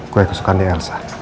kue kesukaan di elsa